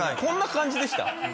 こんな感じでした？